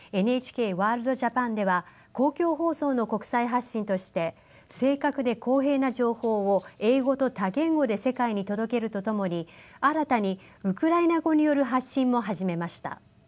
「ＮＨＫワールドＪＡＰＡＮ」では公共放送の国際発信として正確で公平な情報を英語と多言語で世界に届けるとともに新たにウクライナ語による発信も始めました。